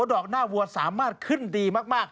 ดอกหน้าวัวสามารถขึ้นดีมาก